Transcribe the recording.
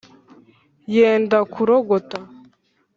yenda kurogota